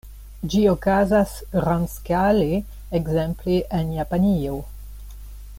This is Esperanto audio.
Ĝi okazas grandskale, ekzemple en Japanio.